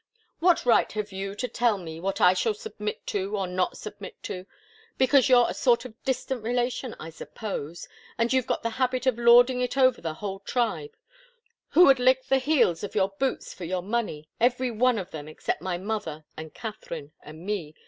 "What right have you to tell me what I shall submit to, or not submit to? Because you're a sort of distant relation, I suppose, and have got into the habit of lording it over the whole tribe who would lick the heels of your boots for your money every one of them, except my mother and Katharine and me.